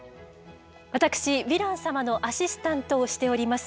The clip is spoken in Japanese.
私ヴィラン様のアシスタントをしております